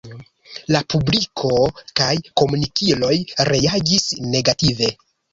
La publiko kaj komunikiloj reagis negative.